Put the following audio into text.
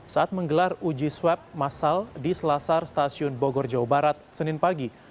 saat menggelar uji swab masal di selasar stasiun bogor jawa barat senin pagi